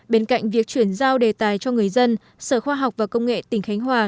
bên cạnh việc chuyển giao đề tài cho người dân sở khoa học và công nghệ tỉnh khánh hòa